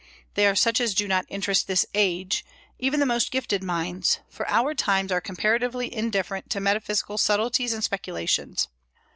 They are such as do not interest this age, even the most gifted minds, for our times are comparatively indifferent to metaphysical subtleties and speculations.